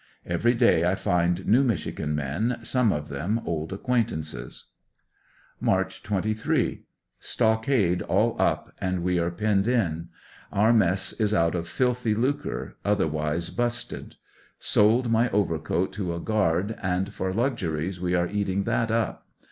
Every day I find new Michigan men, some of them old acquaintances. March 23. — Stockade all up, and we are penned in. Our mess is out of filthy lucre — otherwise, busted. Sold my overcoat to a guard, and for luxiries we are eating that up.